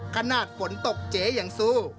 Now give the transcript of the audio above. ขนาดฝนตกเจ๊อย่างซู่